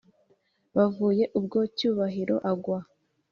bavuye ubwo cyubahiro agwa